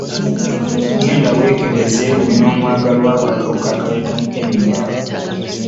genda weekebeze gwe n'omwagalwa wo akawuka akaleeta mukenenya..